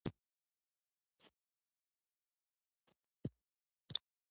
د ډیر باران امکانات دی